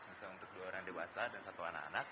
bisa untuk dua orang dewasa dan satu anak anak